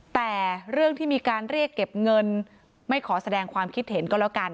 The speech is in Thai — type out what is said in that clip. แต่เรื่องที่มีการเรียกเก็บเงินไม่ขอแสดงความคิดเห็นก็แล้วกัน